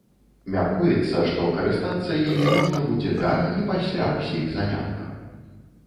Мяркуецца, што карыстацца імі можна будзе да і пасля ўсіх заняткаў.